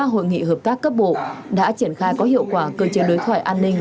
một mươi ba hội nghị hợp tác cấp bộ đã triển khai có hiệu quả cơ chế đối thoại an ninh